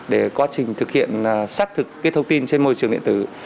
để quá trình thực hiện xác thực thông tin trên môi trường điện tử